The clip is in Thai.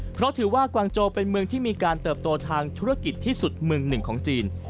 เพราะถือว่ากวางโจเป็นเมืองที่มีการเติบโตทางธุรกิจที่สุดเมืองหนึ่งของจีน